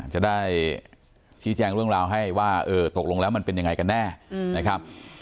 จะได้ชี้แจงเรื่องราวให้ว่าเออตกลงแล้วมันเป็นยังไงกันแน่นะครับ